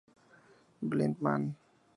Blind man